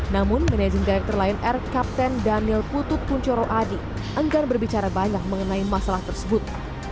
namun managing director lion air kapten daniel putut kunchoro adi enggan berbicara banyak mengenai masalah tersebut